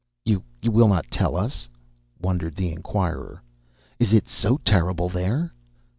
"You will not tell us?" wondered the inquirer. "Is it so terrible There?"